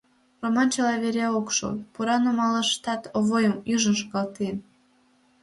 Роман чыла вере ок шу, пура нумалышташ Овойым ӱжын шогалтен.